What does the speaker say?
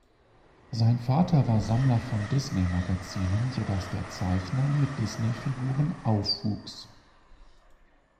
Sein Vater war Sammler von Disney-Magazinen, sodass der Zeichner mit Disneyfiguren aufwuchs.